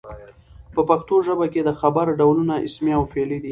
په پښتو ژبه کښي د خبر ډولونه اسمي او فعلي دي.